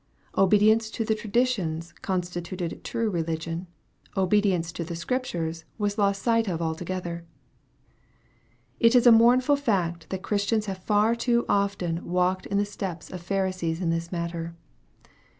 Obedience to the traditions constituted true religion. Obedience to the Scriptures was lost sight of altogether. It is a mournful fact, that Christians have far too often walked in the steps of Pharisees in this matter.